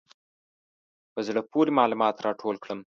په زړه پورې معلومات راټول کړم.